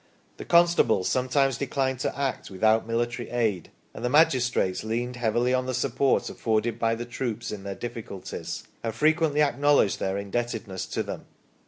The constables sometimes de clined to act without military aid, and the magistrates leaned heavily on the support afforded by the troops in their difficulties, and frequently acknowledged their indebtedness to them.